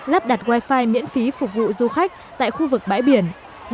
lắp đặt wifi miễn phí phục vụ du khách tại khu vực bãi biển